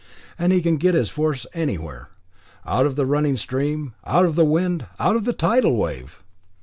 And he can get his force anywhere, out of the running stream, out of the wind, out of the tidal wave.